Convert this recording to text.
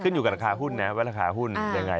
อยู่กับราคาหุ้นนะว่าราคาหุ้นยังไง